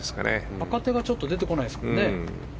若手がちょっと出てこないですけどね。